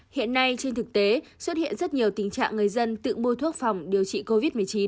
hiện nay trên thực tế xuất hiện rất nhiều tình trạng người dân tự mua thuốc phòng điều trị covid một mươi chín